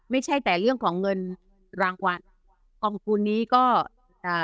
ไม่ใช่แต่เรื่องของเงินรางวัลกองทุนนี้ก็อ่า